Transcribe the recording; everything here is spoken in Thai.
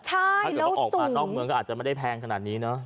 ถ้าออกมาต้องเมืองก็อาจจะไม่ได้แพงขนาดนี้เนอะ